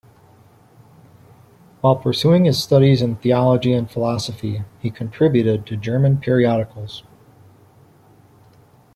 While pursuing his studies in theology and philosophy, he contributed to German periodicals.